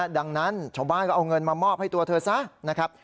ดังนั้นชาวบ้านก็เอาเงินมามอบให้ตัวเธอซะนะครับ